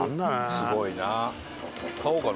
すごいな。